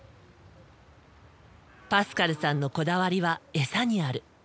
パスカルさんのこだわりはエサにある。